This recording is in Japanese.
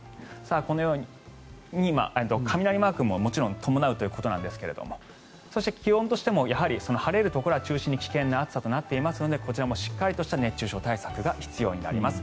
このように雷マークももちろん伴うということですがそして気温としても晴れるところを中心に危険な暑さとなっていますのでこちらもしっかりとした熱中症対策が必要となります。